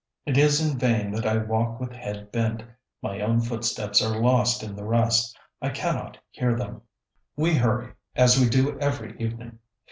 It is in vain that I walk with head bent my own footsteps are lost in the rest, and I cannot hear them. We hurry, as we do every evening.